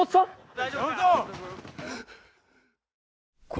・大丈夫か？